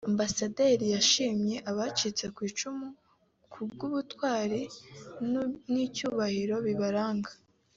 Ambasaderi yashimye abacitse ku icumu ku bw’ubutwari n’icyubahiro bibaranga